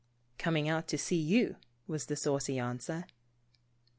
" "Coming out to see you," was the saucy answer.